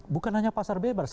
bukan hanya pasar bebas